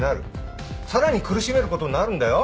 さらに苦しめることになるんだよ？